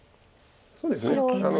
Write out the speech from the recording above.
そうですね。